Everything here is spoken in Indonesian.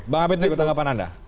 bang abed nih ketanggapan anda